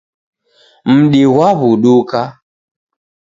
Mudi ghwaw'uduka.